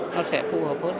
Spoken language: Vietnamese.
nó sẽ phù hợp hơn